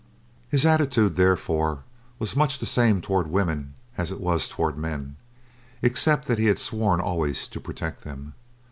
His attitude therefore was much the same toward women as it was toward men, except that he had sworn always to protect them.